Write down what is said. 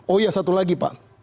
oh iya satu lagi pak